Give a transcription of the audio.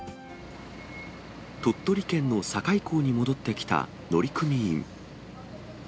鳥取県の境港に戻ってきた乗組員。